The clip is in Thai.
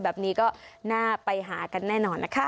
แบบนี้ก็น่าไปหากันแน่นอนนะคะ